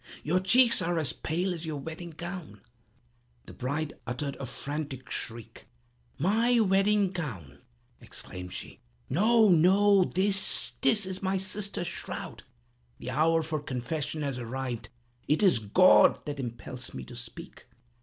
your cheeks are as pale as your wedding gown!" The bride uttered a frantic shriek. "My wedding gown!" exclaimed she; "no, no—this—this is my sister's shroud! The hour for confession has arrived. It is God that impels me to speak.